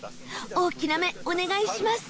大きな目お願いします